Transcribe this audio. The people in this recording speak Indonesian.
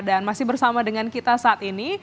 dan masih bersama dengan kita saat ini